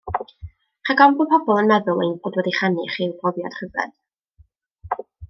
Rhag ofn bod pobl yn meddwl ein bod wedi rhannu rhyw brofiad rhyfedd.